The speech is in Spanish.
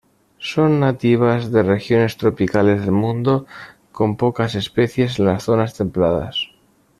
Son nativas de regiones tropicales del mundo, con pocas especies en las zonas templadas.